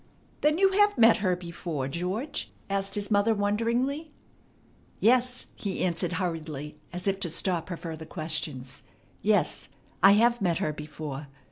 "Then you have met her before, George?" asked his mother wonderingly. "Yes," he answered hurriedly, as if to stop her further question. "Yes, I have met her before.